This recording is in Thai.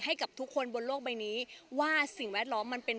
ให้กับทุกคนบนโลกใบนี้ว่าสิ่งแวดล้อมมันเป็น